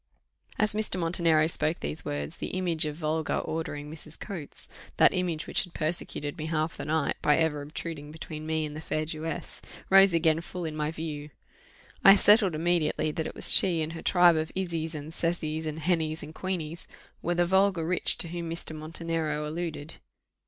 As Mr. Montenero spoke these words, the image of vulgar, ordering Mrs. Coates that image which had persecuted me half the night, by ever obtruding between me and the fair Jewess rose again full in my view. I settled immediately, that it was she and her tribe of Issys, and Cecys, and Hennys, and Queeneys, were "the vulgar rich" to whom Mr. Montenero alluded.